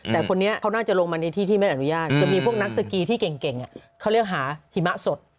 แต่คนนี้เขาน่าจะลงมาในที่ที่ไม่อนุญาตจะมีพวกนักสกีที่เก่งเขาเรียกหาหิมะสด